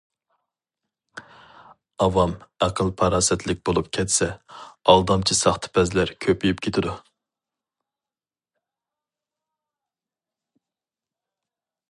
ئاۋام ئەقىل- پاراسەتلىك بولۇپ كەتسە، ئالدامچى- ساختىپەزلەر كۆپىيىپ كېتىدۇ.